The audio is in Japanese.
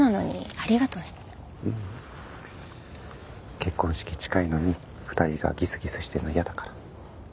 結婚式近いのに２人がギスギスしてるの嫌だから。